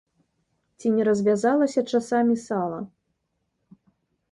Ці не развязалася часамі сала?